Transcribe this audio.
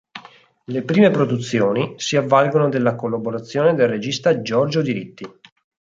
Le prime produzioni si avvalgono della collaborazione del regista Giorgio Diritti.